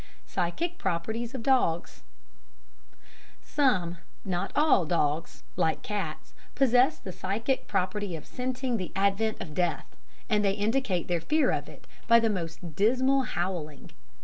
Psychic Properties of Dogs Some, not all, dogs like cats possess the psychic property of scenting the advent of death, and they indicate their fear of it by the most dismal howling.